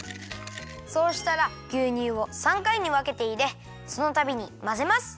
そうしたらぎゅうにゅうを３かいにわけていれそのたびにまぜます。